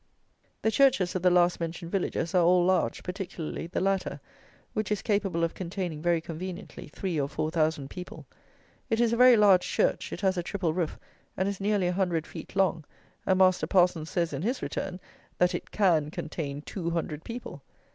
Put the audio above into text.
The churches of the last mentioned villages are all large, particularly the latter, which is capable of containing very conveniently 3 or 4,000 people. It is a very large church; it has a triple roof, and is nearly 100 feet long; and master parson says, in his return, that it "can contain two hundred people"!